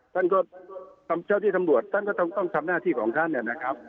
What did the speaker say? ท่านก็เจ้าที่ตำรวจท่านก็ต้องทำหน้าที่ของท่านนะครับ